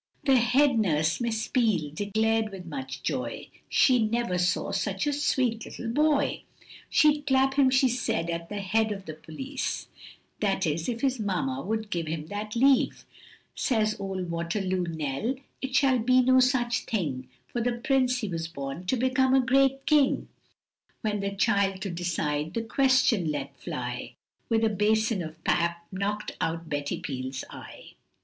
The head nurse Miss Peel, declared with much joy, She never saw such a sweet little boy. She'd clap him she said at the head of the police, That is if his mamma would give him that leave, Says old Waterloo Nell, it shall be no such thing, For the Prince he was born to become a great king; When the child to decide the question let fly, With a basin of pap knock'd out Betty Peel's eye.